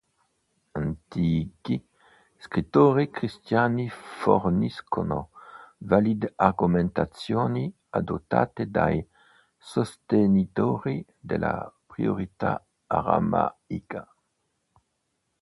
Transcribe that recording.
Antichi scrittori cristiani forniscono valide argomentazioni adottate dai sostenitori della priorità aramaica.